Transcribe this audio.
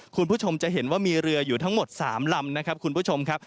คุณผู้ชมจะเห็นว่ามีเรืออยู่ทั้งหมด๓ลำ